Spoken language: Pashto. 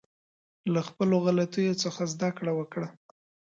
چې له خپلو غلطیو څخه زده کړه وکړه